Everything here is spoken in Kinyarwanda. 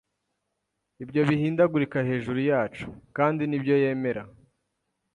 ibyo bihindagurika hejuru yacu, kandi nibyo yemera?